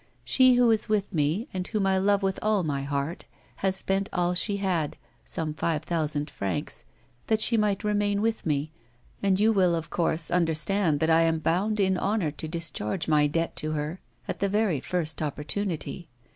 She who is with me, and whom I love with all my heart, has spent all she had (some five thousand francs) that she might remain with me, and you will, of course, under stand that I am bound in honour to discharge my debt to her at the very first opportunity.